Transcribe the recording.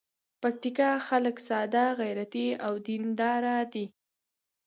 پکتیکا خلک ساده، غیرتي او دین دار دي.